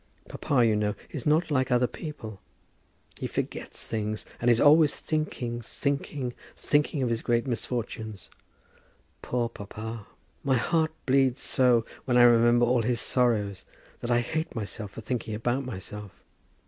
Papa, you know, is not like other people. He forgets things; and is always thinking, thinking, thinking of his great misfortunes. Poor papa! My heart bleeds so when I remember all his sorrows, that I hate myself for thinking about myself.